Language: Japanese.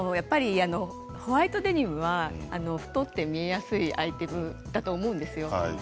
ホワイトデニムは太って見えやすいアイテムだと思うんです。